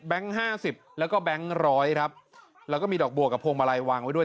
ห้าสิบแล้วก็แบงค์ร้อยครับแล้วก็มีดอกบัวกับพวงมาลัยวางไว้ด้วย